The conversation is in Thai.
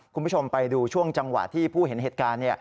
คุณผู้ชมไปดูช่วงจังหวะที่ผู้เห็นเหตุการณ์